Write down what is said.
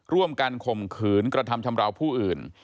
ร่วมกันข่มขืนกระทำชำราวผู้อื่น